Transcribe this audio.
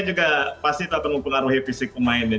ini pasti tetap mengaruhi fisik pemain ya